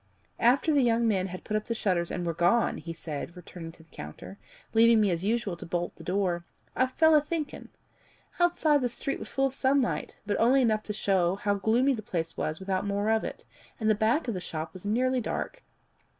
"After the young men had put up the shutters and were gone," he said, returning to the counter, "leaving me as usual to bolt the door, I fell a thinking. Outside, the street was full of sunlight, but only enough came in to show how gloomy the place was without more of it, and the back of the shop was nearly dark.